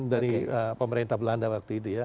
dari pemerintah belanda waktu itu ya